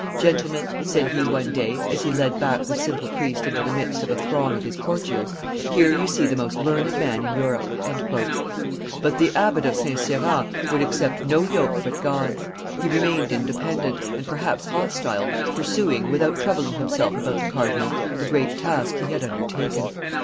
"Gentlemen," said he one day, as he led back the simple priest into the midst of a throng of his courtiers, "here you see the most learned man in Europe." But the Abbot of St. Cyran would accept no yoke but God's: he remained independent, and perhaps hostile, pursuing, without troubling himself about the cardinal, the great task he had undertaken.